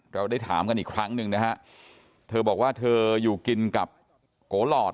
เราได้ถามกันอีกครั้งหนึ่งนะฮะเธอบอกว่าเธออยู่กินกับโกหลอด